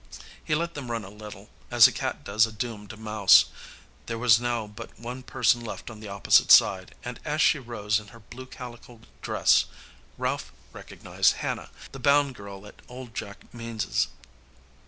He let them run a little, as a cat does a doomed mouse. There was now but one person left on the opposite side, and, as she rose in her blue calico dress, Ralph recognized Hannah, the bound girl at old Jack Means's.